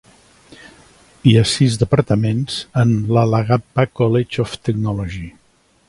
Hi ha sis departaments en l'Alagappa College of Technology.